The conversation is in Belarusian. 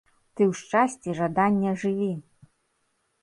Ты ў шчасці жадання жыві!